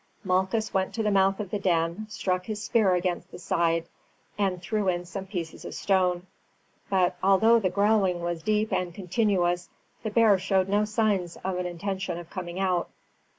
Malchus went to the mouth of the den, struck his spear against the side, and threw in some pieces of stone; but, although the growling was deep and continuous, the bear showed no signs of an intention of coming out.